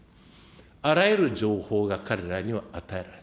あらゆる情報が彼らには与えられた。